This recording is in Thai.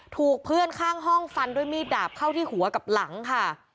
ถูกเพื่อนข้างห้องฟันด้วยมีดดาบเข้าที่หัวกับหลังค่ะ